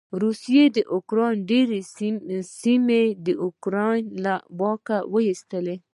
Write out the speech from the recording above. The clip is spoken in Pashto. روسې د يوکراین ډېرې سېمې د یوکراين له واکه واېستلې.